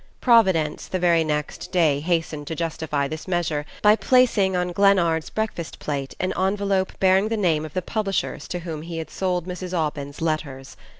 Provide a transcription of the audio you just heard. Providence the very next day hastened to justify this measure by placing on Glennard's breakfast plate an envelope bearing the name of the publishers to whom he had sold Mrs. Aubyn's letters.